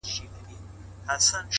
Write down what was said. • اعتبار نه په خندا نه په ژړا سته ,